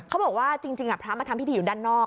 เขาบอกว่าจริงพระมาทำพิธีอยู่ด้านนอก